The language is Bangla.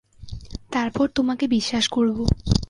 তারপর তোমাকে বিশ্বাস করব।